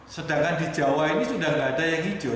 sedangkan di jawa ini sudah tidak ada yang hijau